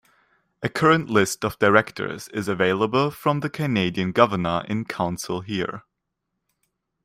A current list of directors is available from the Canadian Governor in Council here.